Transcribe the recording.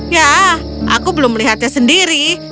ya aku belum melihatnya sendiri